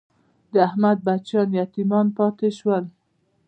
د احمد بچیان یتیمان پاتې شول.